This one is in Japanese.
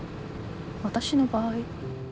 私の場合？